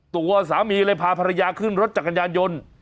ตัวสามีเลยพาภรรยาขึ้นรถจักรยานยนต์